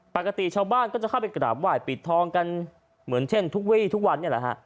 ปกติชาวบ้านก็จะเข้าไปกราบไหว้ปิดทองกันเหมือนเช่นทุกวีทุกวันนี้แหละฮะ